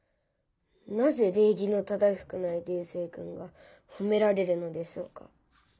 なぜ礼儀の正しくない流星君がほめられるのでしょうか？